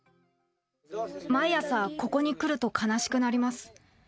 毎朝、ここに来ると悲しくなります。